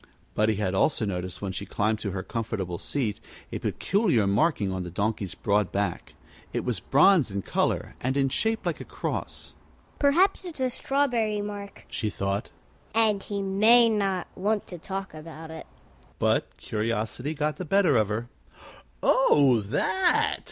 Buddie had also noticed, when she climbed to her comfortable seat, a peculiar marking on the Donkey's broad back. It was bronze in color, and in shape like a cross. "Perhaps it's a strawberry mark," she thought, "and he may not want to talk about it." But curiosity got the better of her. "Oh, that?"